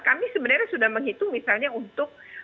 kami sebenarnya sudah menghitung misalnya untuk